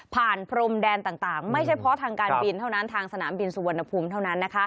พรมแดนต่างไม่ใช่เพราะทางการบินเท่านั้นทางสนามบินสุวรรณภูมิเท่านั้น